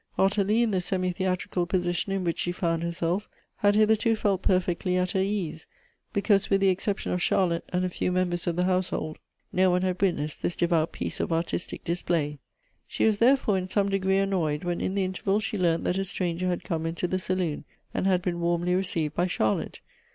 Ottilie, in the semi theatrical position in which she found herself, had hitherto felt perfectly at her ease, be cause with the exception of Charlotte and a few members of the household, no one had witnessed this devout piece of artistic display. She was, tlierefore, in some degree annoyed when in the interval she learnt that a stranger had come into the saloon, and had been warmly received by Charlotte.